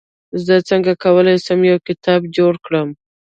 زه څنګه کولای سم، یو کتابتون جوړ کړم؟